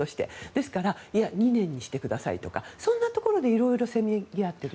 ですから２年にしてくださいとかそんなところで色々せめぎ合っていると。